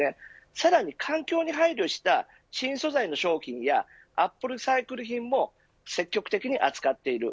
さらに環境に配慮した新素材の商品やアップサイクル品も積極的に扱っている。